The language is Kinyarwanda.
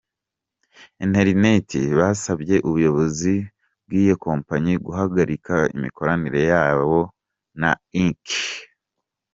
interineti basabye ubuyobozi bwiyo kompanyi guhagarika imikoranire yabo na ick.